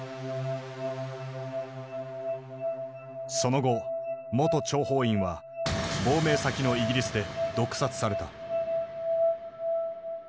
その後元諜報員は亡命先のイギリスで毒殺された。